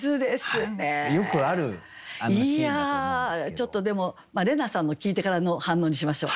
ちょっとでも怜奈さんの聞いてからの反応にしましょう。